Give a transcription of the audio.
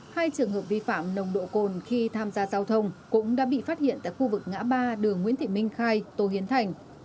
hai trường hợp vi phạm nồng độ cồn khi tham gia giao thông cũng đã bị phát hiện tại khu vực ngã ba đường nguyễn thị minh khai tô hiến thành